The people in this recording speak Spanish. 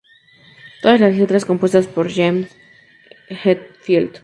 Todas las letras compuestas por James Hetfield.